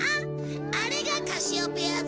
あれがカシオペア座。